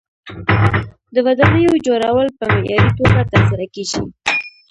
د ودانیو جوړول په معیاري توګه ترسره کیږي.